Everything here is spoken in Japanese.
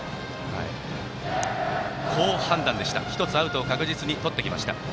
好判断でした、１つアウトを確実にとってきました。